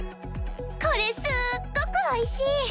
これすっごくおいしい！